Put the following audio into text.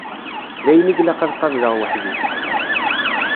D ayen i ilaq ad qableɣ weḥd-i.